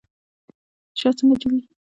شات څنګه جوړیږي؟